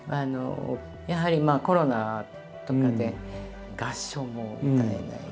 やはりコロナとかで合唱も歌えない。